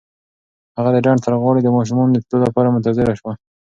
هغه د ډنډ تر غاړې د ماشومانو د تلو لپاره منتظره شوه.